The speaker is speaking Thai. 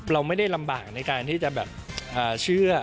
เราไม่ได้ลำบากในการที่จะแบบเชื่อ